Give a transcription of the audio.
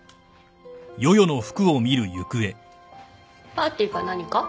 パーティーか何か？